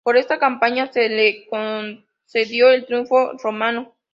Por esta campaña se le concedió el triunfo romano.